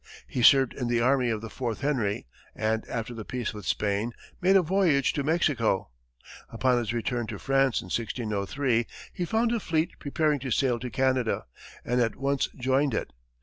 He served in the army of the Fourth Henry, and after the peace with Spain, made a voyage to Mexico. Upon his return to France in 1603, he found a fleet preparing to sail to Canada, and at once joined it.